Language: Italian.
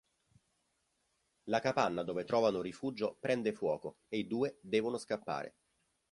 La capanna dove trovano rifugio prende fuoco e i due devono scappare.